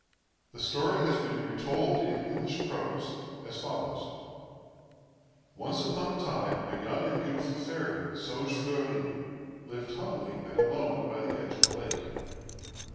The story has been retold in English prose as follows: "Once upon a time a young and beautiful fairy, Saugefleurie, lived humbly and alone by the edge of a lake.